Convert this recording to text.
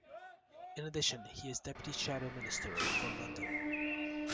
In addition he is Deputy Shadow Minister for London.